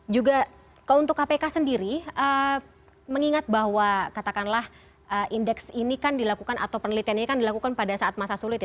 juga untuk kpk sendiri mengingat bahwa katakanlah indeks ini kan dilakukan atau penelitiannya kan dilakukan pada saat masa sulit ya